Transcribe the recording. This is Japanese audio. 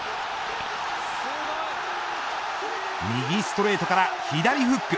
右ストレートから左フック。